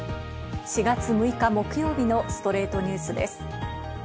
４月６日、木曜日の『ストレイトニュース』です。